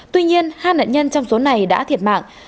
tuy nhiên hai nạn nhân trong số này đã thiệt mạng